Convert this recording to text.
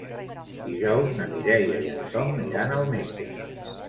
Dijous na Mireia i en Tom iran al metge.